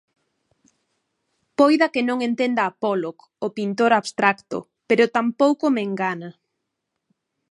Poida que non entenda a Pollock, o pintor abstracto, pero tampouco me engana.